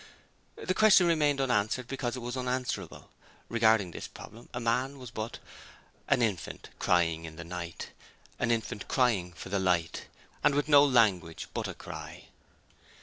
The question remained unanswered because it was unanswerable. Regarding this problem man was but 'An infant crying in the night, An infant crying for the light And with no language but a cry.'